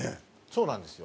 そうなんですよ。